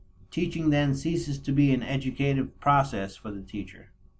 Teaching then ceases to be an educative process for the teacher.